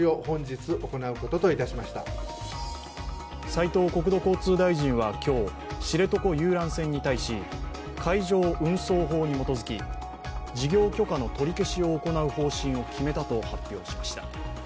斉藤国土交通大臣は今日、知床遊覧船に対し海上運送法に基づき、事業許可の取り消しを行うと発表しました。